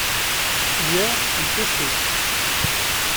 Hier ils pêchaient.